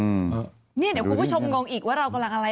เดี๋ยวคุณผู้ชมงงอีกว่าเรากำลังอะไร